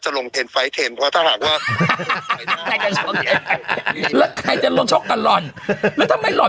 จะลงเพราะถ้าหากว่าแล้วใครจะลงชกกับหล่อนแล้วทำไมหล่อน